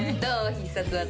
必殺技。